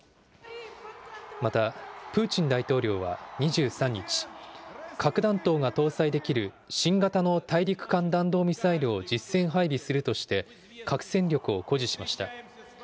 また、プーチン大統領は２３日、核弾頭が搭載できる新型の大陸間弾道ミサイルを実戦配備するとして、核戦力を誇示しました。